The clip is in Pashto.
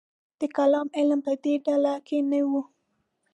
د کلام علم په دې ډله کې نه و.